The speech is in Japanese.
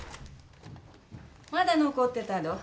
まだ残ってたの？